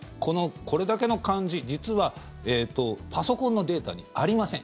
これだけの漢字、実はパソコンのデータにありません。